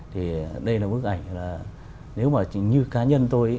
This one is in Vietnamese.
thì đây là bức ảnh là nếu mà như cá nhân tôi